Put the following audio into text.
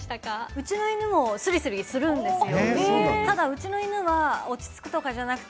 うちの犬もスリスリするんですよ。